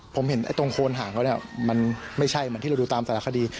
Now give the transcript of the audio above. ผมเห็นตรงโคนหางเขาเนี่ยมันไม่ใช่เหมือนที่เราดูตามแต่ละคดี